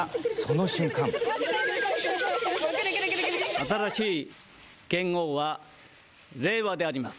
「新しい元号は令和であります」。